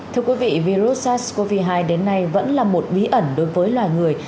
thưa quý vị virus sars cov hai đến nay vẫn là một bí ẩn đối với loài người